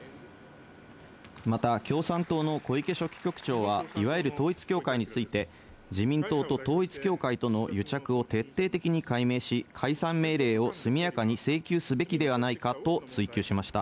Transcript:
また、共産党の小池書記局長は、いわゆる統一教会について、自民党と統一教会との癒着を徹底的に解明し、解散命令を速やかに請求すべきではないかと追及しました。